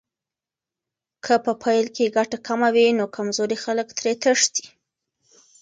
که په پیل کې ګټه کمه وي، نو کمزوري خلک ترې تښتي.